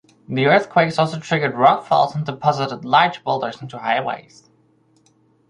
The earthquakes also triggered rockfalls and deposited large boulders onto highways.